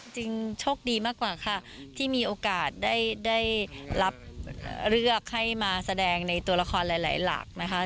จริงมีโอกาสได้รับเลือกให้มาแสดงในตัวละครหลายหลักนะคะ